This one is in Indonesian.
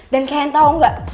dan kalian tau gak